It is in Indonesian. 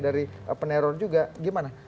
dari peneror juga gimana